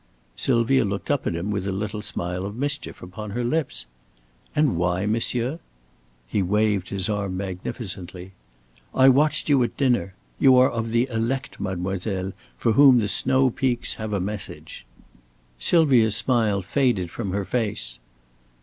Sylvia looked up at him with a little smile of mischief upon her lips. "And why, monsieur?" He waved his arm magnificently. "I watched you at dinner. You are of the elect, mademoiselle, for whom the snow peaks have a message." Sylvia's smile faded from her face.